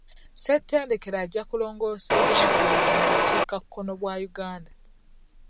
Ssetendekero ajja kulongoosa eby'enjigiriza mu bukiikakkono bwa Uganda.